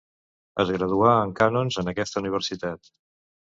Es graduà en cànons en aquesta universitat.